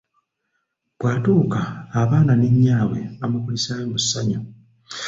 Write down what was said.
Bw’atuuka, abaana ne nnyaabwe bamukulisaayo mu ssannyu.